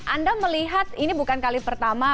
anda melihat ini bukan kali pertama